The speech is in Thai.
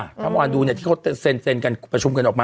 อืมเมื่อวานดูเนี้ยที่เขาเซ็นเซ็นกันประชุมกันออกมา